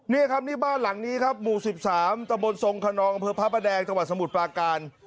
นี่ครับนี่บ้านหลังนี้ครับหมู่๑๓ตะบนทรงคนนองอำเภอพระประแดงจังหวัดสมุทรปลาการ